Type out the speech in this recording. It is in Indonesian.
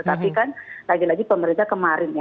tapi kan lagi lagi pemerintah kemarin ya